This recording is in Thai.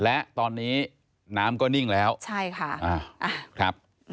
และตอนนี้น้ำก็นิ่งแล้วใช่ค่ะครับ